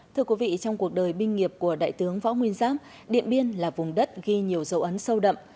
thưa quý vị trong cuộc đời binh nghiệp của đại tướng võ nguyên giáp điện biên là vùng đất ghi nhiều dấu ấn sâu đậm